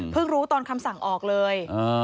เพิ่งรู้ตอนคำสั่งออกเลย